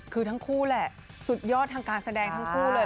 คือทั้งคู่แหละสุดยอดทางการแสดงทั้งคู่เลย